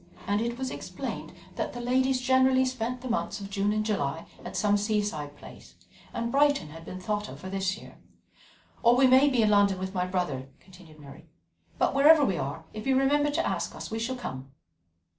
and it was explained that the ladies generally spent the months of June and July at some seaside place, and Brighton had been thought of for this year. "Or we may be in London with my brother," continued Mary, "but wherever we are, if you remember to ask us, we shall come."